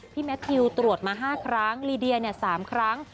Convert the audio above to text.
แมททิวตรวจมา๕ครั้งลีเดีย๓ครั้ง